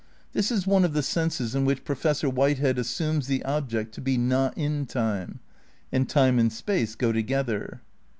This is one of the senses in which Professor Whitehead assumes the ob ject to be not in time. And time and space go together.